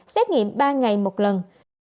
xét nghiệm ba ngày một lần